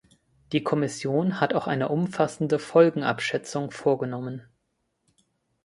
Die Kommission hat auch eine umfassende Folgenabschätzung vorgenommen.